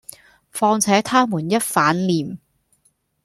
況且他們一翻臉，